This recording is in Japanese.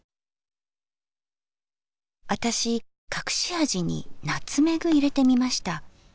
私隠し味にナツメグ入れてみました。